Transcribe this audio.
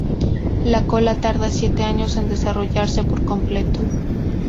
La cola tarda siete años en desarrollarse por completo.